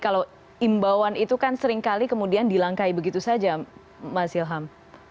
kalau imbauan itu kan seringkali kemudian dilangkai begitu saja mas ilham